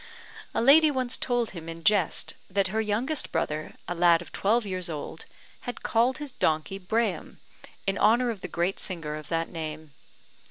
A lady once told him in jest that her youngest brother, a lad of twelve years old, had called his donkey Braham, in honour of the great singer of that name.